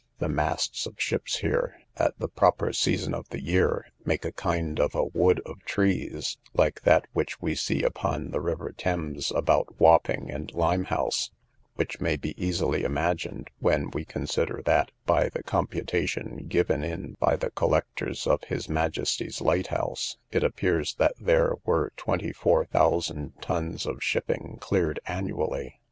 The masts of ships here, at the proper season of the year, make a kind of a wood of trees, like that which we see upon the river Thames about Wapping and Limehouse, which may be easily imagined, when we consider, that, by the computation given in by the collectors of his majesty's light house, it appeared that there were twenty four thousand tons of shipping cleared annually.